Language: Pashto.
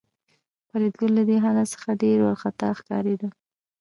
فریدګل له دې حالت څخه ډېر وارخطا ښکارېده